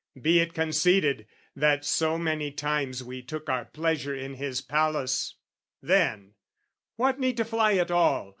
"Be it conceded that so many times "We took our pleasure in his palace: then, "What need to fly at all?